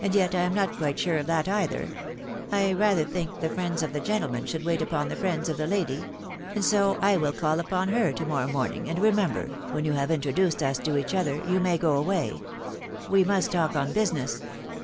and j* I «ni iwfc «spate «na* THB WIDOW BARlf ABT. 44S either; •»• r rather think the friends ai the gentleman should waft upon the friends of the lady, .•.. and so I will call upon her to morrow moating, and remember, when yon have intro*. duced us to each other, you may go away ; we must talk on business.